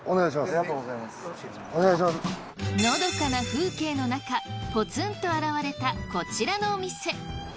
のどかな風景のなかポツンと現れたこちらのお店。